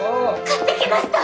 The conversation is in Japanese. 買ってきました！